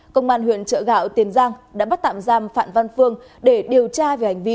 công an huyện chợ gạo tiền giang đã bắt tạm giam phạm văn phương để điều tra về hành vi cố ý gây thương tích